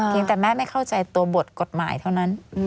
แต่แม่ไม่เข้าใจตัวบทกฎหมายเท่านั้น